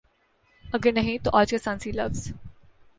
اگر نہیں تو آج کا سائنسی لفظ